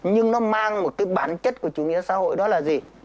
nhưng nó mang một cái bản chất của chủ nghĩa xã hội đó là gì